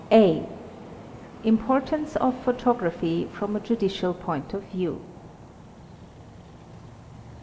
.~* A. Importance of Photography from a judicial point of view.